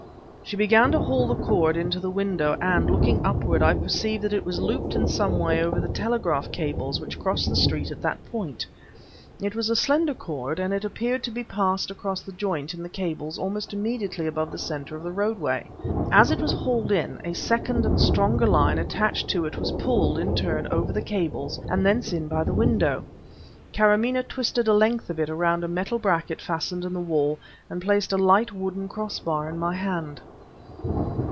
She began to haul the cord into the window, and, looking upward, I perceived that it was looped in some way over the telegraph cables which crossed the street at that point. It was a slender cord, and it appeared to be passed across a joint in the cables almost immediately above the center of the roadway. As it was hauled in, a second and stronger line attached to it was pulled, in turn, over the cables, and thence in by the window. Karamaneh twisted a length of it around a metal bracket fastened in the wall, and placed a light wooden crossbar in my hand.